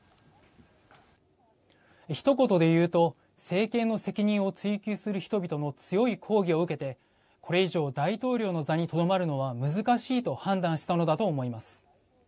ひと言で言うと政権の責任を追及する人々の強い抗議を受けてこれ以上、大統領の座にとどまるのは難しいと判断したのだと思います。